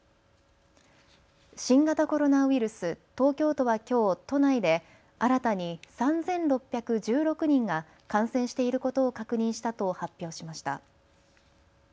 新型コロナウイルス東京都はきょう都内で新たに３６１６人が感染していることを確認したと発表しました。